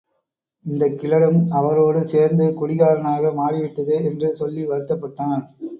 இந்தக் கிழடும் அவரோடு சேர்ந்து குடிகாரனாக மாறிவிட்டதே! என்று சொல்லி வருத்தப்பட்டான்.